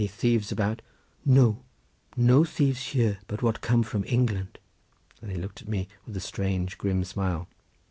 "Any thieves about?" "No, no thieves here, but what come from England," and he looked at me with a strange, grim smile.